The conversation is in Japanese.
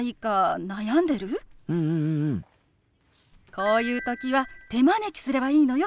こういう時は「手招き」すればいいのよ。